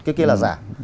cái kia là giả